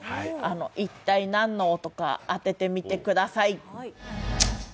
一体何の音か当ててみてください。